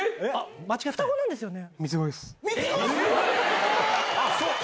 双子なんですよね？